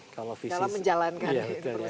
kalau menjalankan perusahaan ini